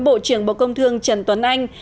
bộ trưởng bộ công thương trần tuấn anh